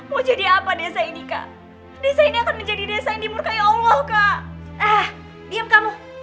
mau jadi apa desa ini kaka